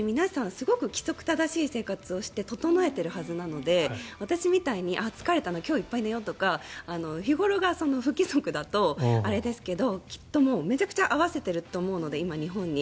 すごく規則正しい生活をして整えているはずなのに私みたいに、ああ疲れたな今日いっぱい寝ようとか日頃が不規則だとあれですけどめちゃくちゃ合わせていると思うので、日本に。